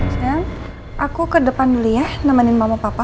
sayang aku ke depan dulu ya nemenin mama papa